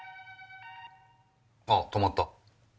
あ止まった。